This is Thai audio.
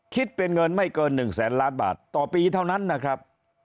คิดเป็นเงินไม่เกิน๑แสนล้านบาทต่อปีเท่านั้นนะครับ